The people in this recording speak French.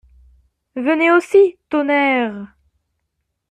Venez aussi, tonnerre!